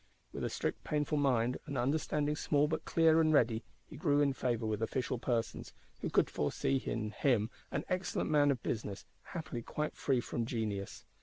With a strict painful mind, an understanding small but clear and ready, he grew in favour with official persons, who could foresee in him an excellent man of business, happily quite free from genius.